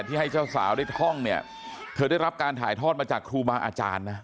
ให้เจ้าสาวได้ท่องเนี่ยเธอได้รับการถ่ายทอดมาจากครูบาอาจารย์นะ